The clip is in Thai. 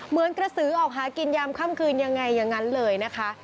เหมือนกระสือออกหากินยามค่ำคืนยังไงอย่างนั้นเลยนะคะ